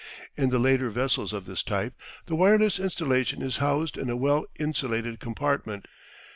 In the later vessels of this type the wireless installation is housed in a well insulated compartment.